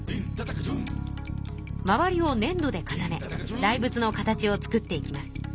周りをねん土で固め大仏の形を作っていきます。